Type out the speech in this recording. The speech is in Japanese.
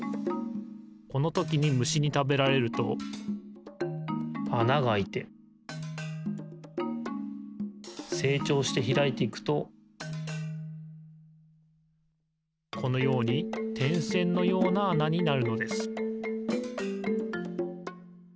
このときにむしにたべられるとあながあいてせいちょうしてひらいていくとこのようにてんせんのようなあなになるのです